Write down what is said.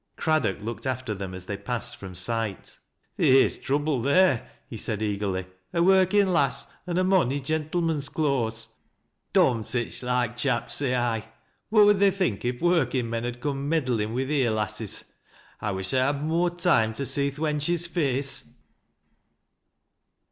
Craddock looked after thera as they passed from sight. " Theer's trouble there," he said, eagerly. " A workinj^ lass, an' a mou i' gentleman's cloas. Dom sich loike chaps. Bay I. What would they think if workin' men ud coom meddlin' wi' theer lasses. I wish I'd had more toime to see th' wench's face."